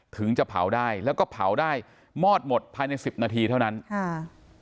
ถึงจะเผาได้แล้วก็เผาได้มอดหมดภายในสิบนาทีเท่านั้นค่ะ